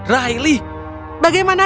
riley bagaimana kau